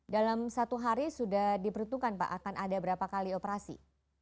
dalam satu hari sudah diperuntukkan pak akan ada berapa kali operasi